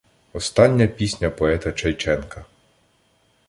Остання пісня "поета" Чайченка